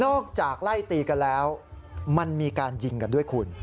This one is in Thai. จากไล่ตีกันแล้วมันมีการยิงกันด้วยคุณ